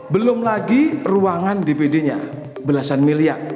belum lagi ruangan dp dri nya belasan miliar